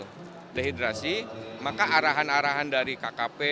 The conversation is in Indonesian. kalau dehidrasi maka arahan arahan dari kkp